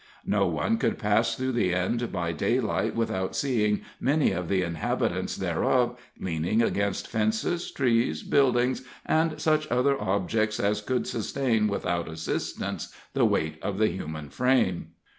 No one could pass through the End by daylight without seeing many of the inhabitants thereof leaning against fences, trees, buildings, and such other objects as could sustain without assistance the weight of the human frame.